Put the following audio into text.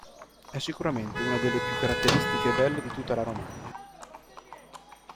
È sicuramente una delle più caratteristiche e belle di tutta la Romagna.